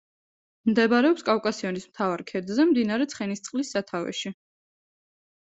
მდებარეობს კავკასიონის მთავარ ქედზე, მდინარე ცხენისწყლის სათავეში.